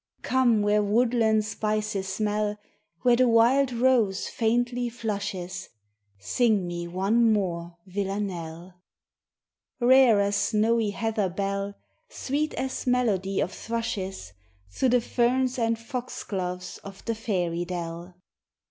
Come where woodland spices smell, Where the wild rose faintly flushes, Sing me one more villanelle. Rare as snowy heather bell, Sweet as melody of thrushes Through the ferns and foxgloves of the fairy dell.